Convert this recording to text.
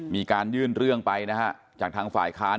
มีการยื่นเรื่องไปนะฮะจากทางฝ่ายค้าน